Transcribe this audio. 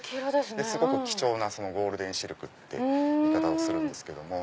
すごく貴重なゴールデンシルクって言い方をするんですけども。